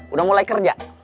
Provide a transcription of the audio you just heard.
udah mulai kerja